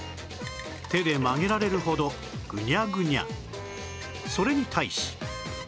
手で曲げられるほどそれに対し